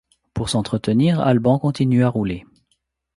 Pour s'entretenir, Alban continue à rouler.